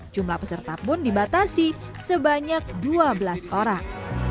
jumlah peserta pun dibatasi sebanyak dua belas orang